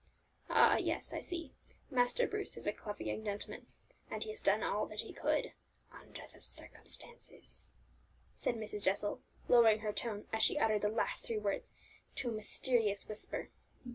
"Ah, yes; I see. Master Bruce is a clever young gentleman, and he has done all that he could under the circumstances," said Mrs. Jessel, lowering her tone, as she uttered the last three words, to a mysterious whisper.